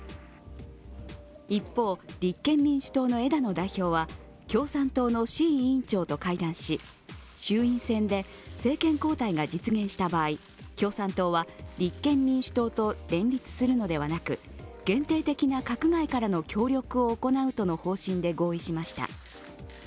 一方、立憲民主党の枝野代表は共産党の志位委員長と会談し、衆院選で政権交代が実現した場合、共産党は立憲民主党と連立するのではなく、限定的な閣外からの協力を行うとの方針で合意しました。